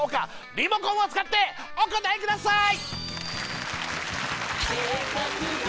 リモコンを使ってお答えください